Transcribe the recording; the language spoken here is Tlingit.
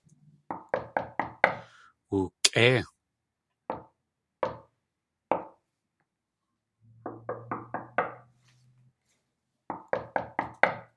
Wookʼéi.